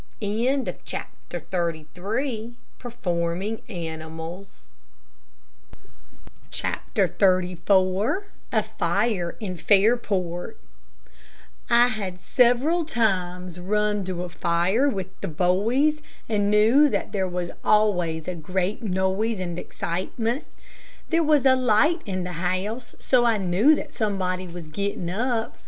CHAPTER XXXIV A FIRE IN FAIRPORT I had several times run to a fire with the boys, and knew that there was always a great noise and excitement. There was a light in the house, so I knew that somebody was getting up.